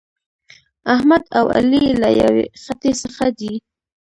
احمد او علي له یوې خټې څخه دي.